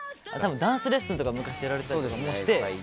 ダンスレッスンとかも昔やられていたりして。